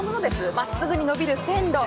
まっすぐに伸びる線路。